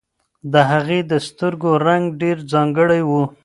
د هغې د سترګو رنګ ډېر ځانګړی و.